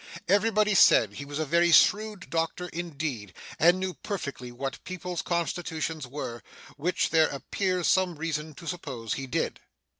Everybody said he was a very shrewd doctor indeed, and knew perfectly what people's constitutions were; which there appears some reason to suppose he did.